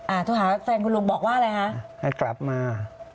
โทรหาแฟนคุณลุงบอกว่าอะไรคะให้กลับมา